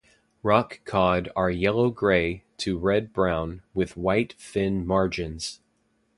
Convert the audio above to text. Rock cod are yellow-grey to red-brown with white fin margins.